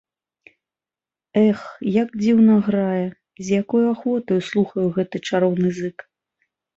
Эх, як дзіўна грае, з якою ахвотаю слухаю гэты чароўны зык!